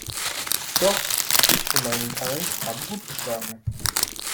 Doch, ich für meinen Teil, habe gut geschlafen.